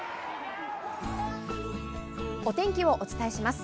お天気をお伝えします。